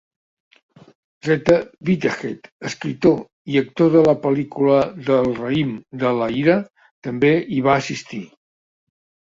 Z. Whitehead, escriptor i actor de la pel·lícula d'"El raïm de la ira", també hi va assistir.